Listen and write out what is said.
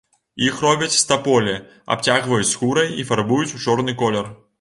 Іх робяць з таполі, абцягваюць скурай і фарбуюць у чорны колер.